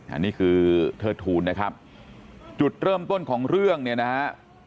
อันนี้คือเทิดทูลนะครับจุดเริ่มต้นของเรื่องเนี่ยนะฮะ